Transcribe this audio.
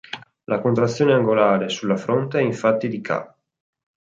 La contrazione angolare sulla fronte è infatti di ca.